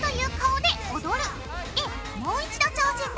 でもう一度挑戦だ！